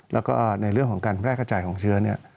แล้วก็ในเรื่องของการแพร่กระจายของเชื้อเนี่ย